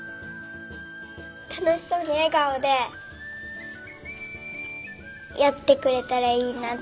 たのしそうにえがおでやってくれたらいいなっておもう。